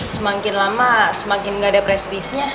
semakin lama semakin gak ada prestisnya